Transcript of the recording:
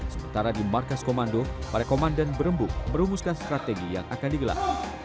sementara di markas komando para komandan berembuk merumuskan strategi yang akan digelar